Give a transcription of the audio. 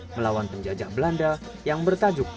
melawan penjajah belanda yang bertajuk